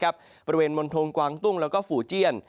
บริเวณมณฑงกวางตุ้งแล้วก็ฝู่เจียน